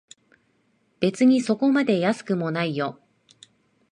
別にそこまで安くもないよ